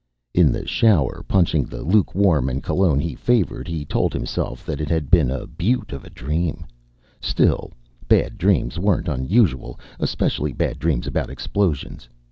In the shower, punching the lukewarm and cologne he favored, he told himself that it had been a beaut of a dream. Still, bad dreams weren't unusual, especially bad dreams about explosions.